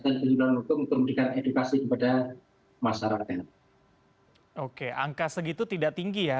penyelidikan hukum untuk mendidikasi kepada masyarakat oke angka segitu tidak tinggi ya